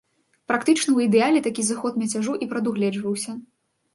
Практычна ў ідэале такі зыход мяцяжу і прадугледжваўся.